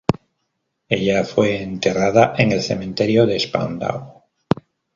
Ella fue enterrada en el Cementerio de Spandau.